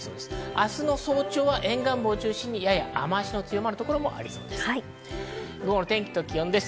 明日の早朝は沿岸部を中心に、やや雨足の強まる所もありそうです。